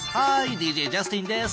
ＤＪジャスティンです。